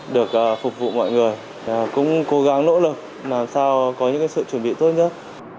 được phục vụ mọi người cũng cố gắng nỗ lực làm sao có những sự chuẩn bị tốt nhất